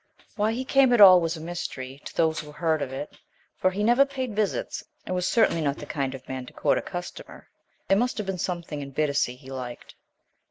Why he came at all was a mystery to those who heard of it, for he never paid visits and was certainly not the kind of man to court a customer. There must have been something in Bittacy he liked.